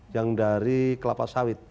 yang dari kelapa sawit